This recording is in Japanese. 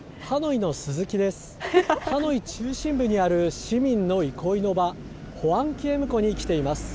ハノイ中心部にある市民の憩いの場、ホアンキエム湖に来ています。